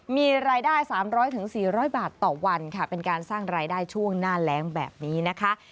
มีรายได้๓๐๐๔๐๐บาทต่อวันค่ะเป็นการสร้างรายได้ช่วงหน้าแรงแบบนี้นะคะ